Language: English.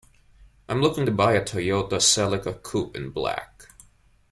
I'm looking to buy a Toyota Celica Coupe in black.